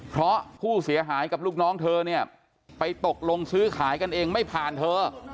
เพราะผู้เสียหายกับลูกน้องเธอเนี่ยไปตกลงซื้อขายกันเองไม่ผ่านเธอ